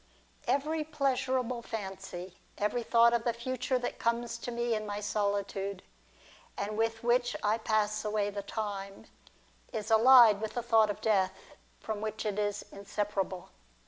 Every pleasurable fancy, every thought of the future that comes to me in my solitude, and with which I pass away the time, is allied with the thought of death, from which it is inseparable.